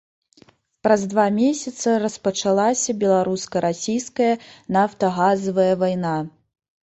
Праз два месяца распачалася беларуска-расійская нафтагазавая вайна.